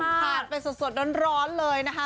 ผ่านไปสดร้อนเลยนะคะ